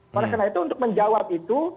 karena karena itu untuk menjawab itu